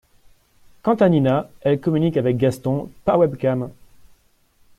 Quant à Nina, elle communique avec Gaston par webcam.